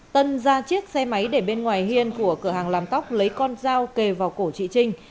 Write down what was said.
tân ra chiếc xe máy để bên ngoài hiên của cửa hàng làm tóc lấy con dao kề vào cổ chị trinh